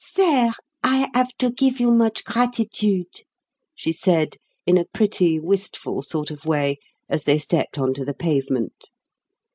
"Sair, I have to give you much gratitude," she said in a pretty, wistful sort of way, as they stepped on to the pavement.